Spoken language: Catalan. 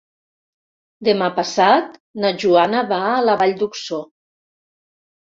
Demà passat na Joana va a la Vall d'Uixó.